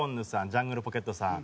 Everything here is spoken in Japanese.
ジャングルポケットさん